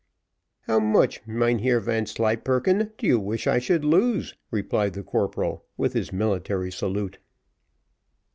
"How much, Mynheer Vanslyperken, do you wish I should lose?" replied the corporal, with his military salute.